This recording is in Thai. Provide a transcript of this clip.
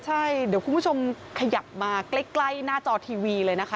ใช่เดี๋ยวคุณผู้ชมขยับมาใกล้หน้าจอทีวีเลยนะคะ